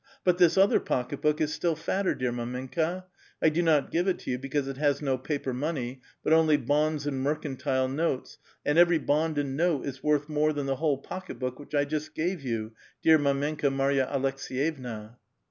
But this other pocket book is still fatter, dear mdmenka; I do not give it to you, because it has no paper money, but only bonds and mercantile notes, and every bond and note is worth more than the whole pocket book which I just gave you, dear mdmenka Mary a Aleks^yevna."